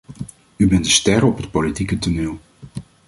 U bent een ster op het politieke toneel.